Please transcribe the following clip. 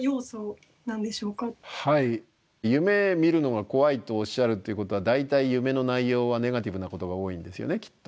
はい夢見るのが怖いとおっしゃるっていうことは大体夢の内容はネガティブなことが多いんですよねきっと。